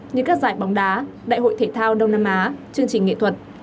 như các giải bóng đá đại hội thể thao đông nam á chương trình nghệ thuật